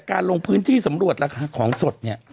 ลงพื้นที่สำรวจราคาของสดเนี่ย